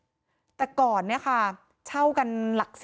เพราะทนายอันนันชายเดชาบอกว่าจะเป็นการเอาคืนยังไง